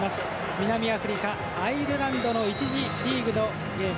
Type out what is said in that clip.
南アフリカ、アイルランドの１次リーグのゲーム。